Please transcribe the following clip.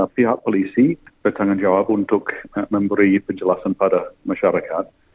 pihak polisi bertanggung jawab untuk memberi penjelasan pada masyarakat